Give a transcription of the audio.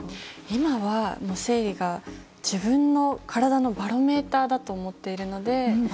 今は生理が自分の体のバロメーターだと思っているので。